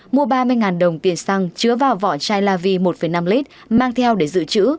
mua ba mươi đồng tiền xăng chứa vào vỏ chai la vi một năm lit mang theo để giữ chữ